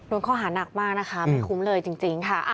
ข้อหานักมากนะคะไม่คุ้มเลยจริงค่ะ